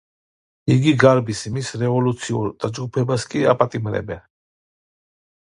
იგი გარბის, მის რევოლუციურ დაჯგუფებას კი აპატიმრებენ.